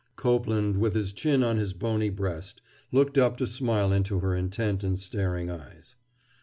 Copeland, with his chin on his bony breast, looked up to smile into her intent and staring eyes.